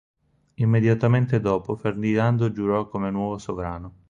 Immediatamente dopo Ferdinando giurò come nuovo sovrano.